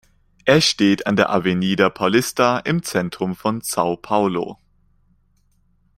Er steht an der Avenida Paulista im Zentrum von São Paulo.